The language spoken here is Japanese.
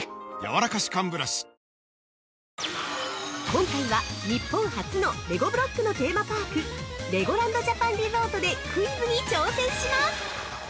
◆今回は、日本初のレゴブロックのテーマパークレゴランド・ジャパン・リゾートでクイズに挑戦します。